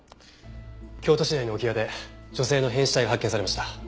京都市内の置屋で女性の変死体が発見されました。